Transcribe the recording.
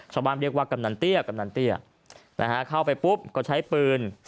ชาวบ้านเรียกว่ากำนันเตี้ยกำนันเตี้ยนะฮะเข้าไปปุ๊บก็ใช้ปืน